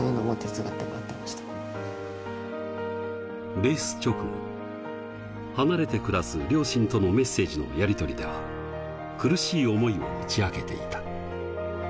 レース直後、離れて暮らす両親とのメッセージのやりとりでは、苦しい思いを打ち明けていた。